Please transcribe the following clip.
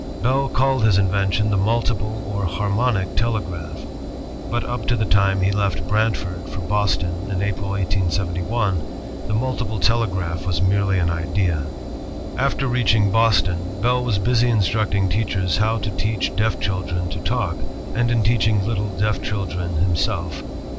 Bell called his invention the multiple or harmonic telegraph. But up to the time he left Brantford for Boston, in April, 187 1, the multiple telegraph was merely an idea. ALEXANDER GRAHAM BELL 237 After reaching Boston, Bell was busy instructing teach ers how to teach deaf children to talk, and in teaching little deaf children himself.